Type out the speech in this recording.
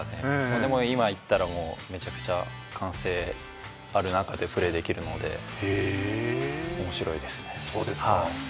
でも今行ったら、めちゃくちゃ歓声ある中でプレーできるので面白いですね。